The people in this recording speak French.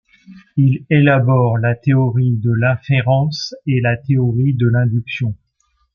Il élabore la théorie de l'inférence et la théorie de l'induction.